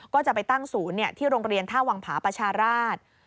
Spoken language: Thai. ก็จะไปตั้งศูนย์ที่โรงเรียนท่าวังผาประชาราช